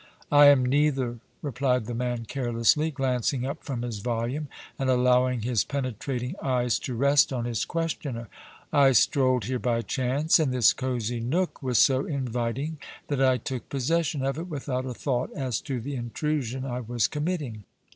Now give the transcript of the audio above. "I am neither," replied the man, carelessly, glancing up from his volume and allowing his penetrating eyes to rest on his questioner, "I strolled here by chance, and this cosy nook was so inviting that I took possession of it without a thought as to the intrusion I was committing."